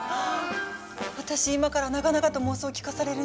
私今から長々と妄想を聞かされるんじゃ。